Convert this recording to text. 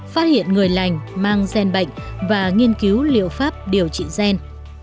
phát hiện người lành mang gen bệnh và nghiên cứu liệu pháp điều trị gen